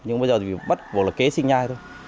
nhưng bây giờ thì bắt buộc là kế sinh nhai thôi